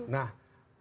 nah kembali ke pemilu